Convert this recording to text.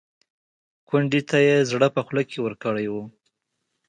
کونډې ته یې زړه په خوله کې ورکړی و.